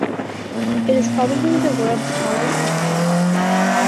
It is probably the world's tallest natural arch.